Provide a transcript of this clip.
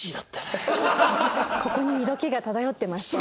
ここに色気が漂ってましたよね。